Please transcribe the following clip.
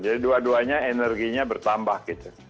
jadi dua duanya energinya bertambah gitu